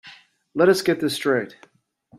Let us get this straight.